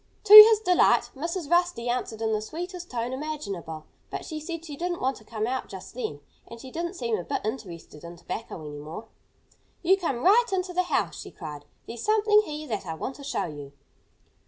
To his delight, Mrs. Rusty answered in the sweetest tone imaginable. But she said she didn't want to come out just then. And she didn't seem a bit interested in tobacco any more. "You come right into the house!" she cried. "There's something here that I want to show you."